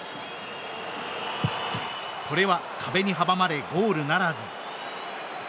これは壁に阻まれゴールならず。